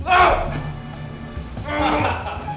ayo kita temui dia